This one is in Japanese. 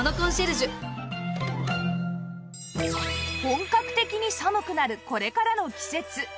本格的に寒くなるこれからの季節